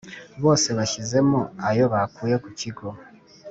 bose bashyizemo ayo bakuye kukigo